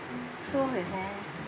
そうですね。